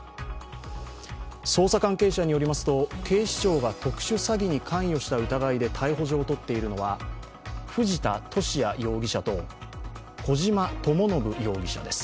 捜査関係者によりますと警視庁が特殊詐欺に関与した疑いで逮捕状を取っているのは藤田聖也容疑者と小島智信容疑者です。